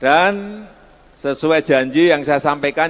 dan sesuai janji yang saya sampaikan dan sesuai janji yang saya sampaikan